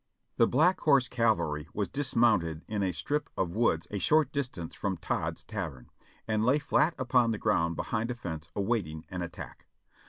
The Black Horse Cavalry was dismounted in a strip of woods a short distance from Todd's Tavern, and lay flat upon the ground behind a fence awaiting an attack.